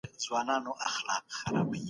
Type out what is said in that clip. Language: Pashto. تر دغه کوچني هغه بل کوچنی ډېر تېز دی.